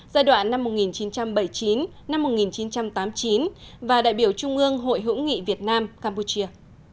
giai đoạn năm một nghìn chín trăm bảy mươi chín một nghìn chín trăm tám mươi chín và đại biểu trung ương hội hữu nghị việt nam campuchia